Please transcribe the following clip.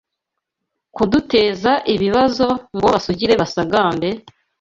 kuduteza ibibazo ngo basugire basagambe